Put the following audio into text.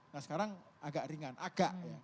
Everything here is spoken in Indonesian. nah sekarang agak ringan agak ya